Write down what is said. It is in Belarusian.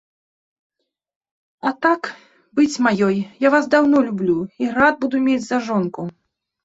А так, быць маёй, я вас даўно люблю і рад буду мець за жонку.